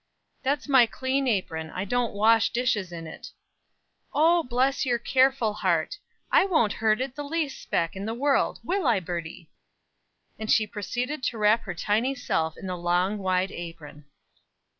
"That's my clean apron; I don't wash dishes in it." "O, bless your careful heart! I won't hurt it the least speck in the world. Will I, Birdie?" And she proceeded to wrap her tiny self in the long, wide apron.